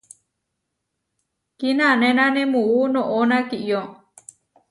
Kinanénane muú noʼó nakiyó.